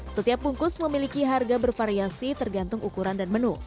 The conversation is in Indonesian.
setiap bungkus memiliki harga bervariasi tergantung ukuran dan menu